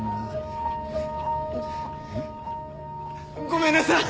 ごめんなさい！